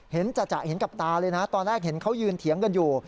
จะเห็นกับตาเลยนะตอนแรกเห็นเขายืนเถียงกันอยู่